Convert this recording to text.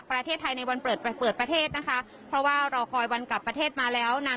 เราไม่แกล้วความกลัวถ้าแกล้วเราจะไม่มา